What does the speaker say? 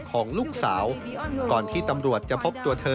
ของลูกสาวก่อนที่ตำรวจจะพบตัวเธอ